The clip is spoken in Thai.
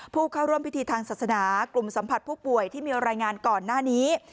ผู้เข้าร่วมพิธีทางศาสนากลุ่มสัมผัสผู้ป่วยที่มีรายงานก่อนหน้านี้